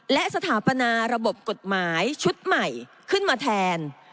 และสถาปนาระบบกฎหมายชุดใหม่ขึ้นมาแทน